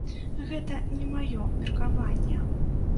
Гэта не маё меркаванне.